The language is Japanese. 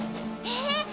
えっ！